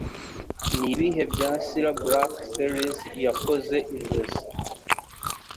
Nibihe bya Cilla Black Series Yakoze Inzozi